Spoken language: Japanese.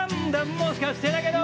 「もしかしてだけど」